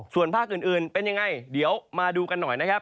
ส่วนภาคอื่นเป็นยังไงเดี๋ยวมาดูกันหน่อยนะครับ